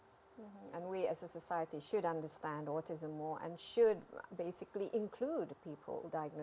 dan kita sebagai masyarakat harus memahami otisme lebih banyak